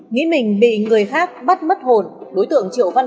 nghĩ mình bị người khác bắt mất hồn đối tượng triệu văn